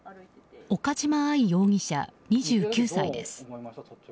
岡島愛容疑者、２９歳です。